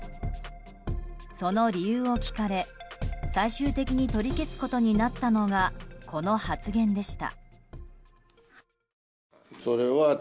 その理由を聞かれ、最終的に取り消すことになったのがこの発言でした。